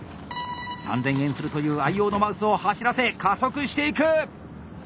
３，０００円するという愛用のマウスを走らせ加速していく！